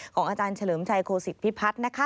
ของอาจารย์เฉลิมชัยโคศิกพิพัฒน์นะคะ